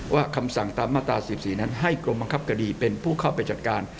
คำสั่งตามมาตรา๑๔นั้นให้กรมบังคับคดีเป็นผู้เข้าไปจัดการ